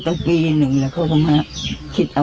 ตั้งปีหนึ่งแล้วก็มาคิดเอาเก่งอยู่ชั้น๑๖ปัญญา